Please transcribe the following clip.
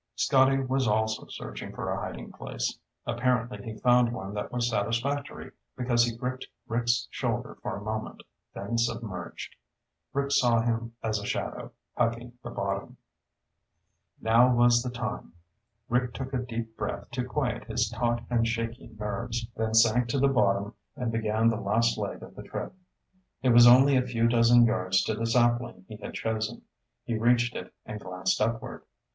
Scotty was also searching for a hiding place. Apparently he found one that was satisfactory, because he gripped Rick's shoulder for a moment, then submerged. Rick saw him as a shadow, hugging the bottom. Now was the time. Rick took a deep breath to quiet his taut and shaky nerves, then sank to the bottom and began the last leg of the trip. It was only a few dozen yards to the sapling he had chosen. He reached it and glanced upward.